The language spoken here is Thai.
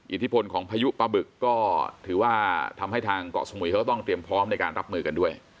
อิทธิพลของพายุปลาบึกก็ถือว่าทำให้ทางเกาะสมุยเขาก็ต้องเตรียมพร้อมในการรับมือกันด้วย